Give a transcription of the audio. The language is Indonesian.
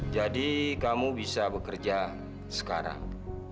jadi kamu bisa bekerja sekarang